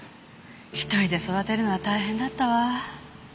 一人で育てるのは大変だったわ。